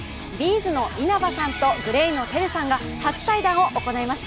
’ｚの稲葉さんとＧＬＡＹのＴＥＲＵさんが初対談を行いました。